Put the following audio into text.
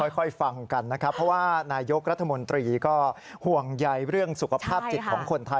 ฟังกันนะครับเพราะว่านายกรัฐมนตรีก็ห่วงใยเรื่องสุขภาพจิตของคนไทย